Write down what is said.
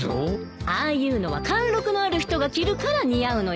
ああいうのは貫禄のある人が着るから似合うのよ。